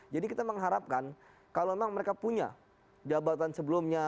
jadi kita mengharapkan kalau memang mereka punya jabatan sebelumnya